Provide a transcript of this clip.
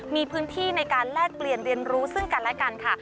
มีพื้นที่ในการแลกเปลี่ยนเรียนรู้ซึ่งกันและกันค่ะ